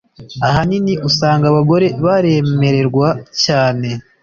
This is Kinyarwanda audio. ahanini usanga abagore baremererwa cyane